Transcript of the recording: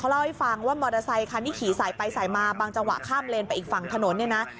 เล่าให้ฟังว่ามอเตอร์ไซคันที่ขี่สายไปสายมาบางจังหวะข้ามเลนไปอีกฝั่งถนนเนี่ยนะ